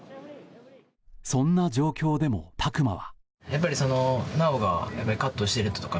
そんな状況でも拓真は。